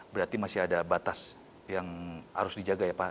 berarti masih ada batas yang harus dijaga ya pak